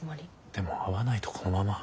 でも会わないとこのまま。